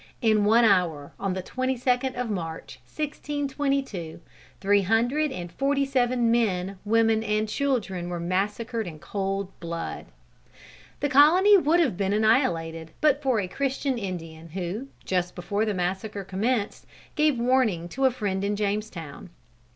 In one hour, on the 22nd of March, 1622, three hundred and forty seven men, women and children were massacred in cold blood. The colony would have been annihilated, but for a Christian Indian who, just before the massacre commenced, gave warning to a friend in Jamestown.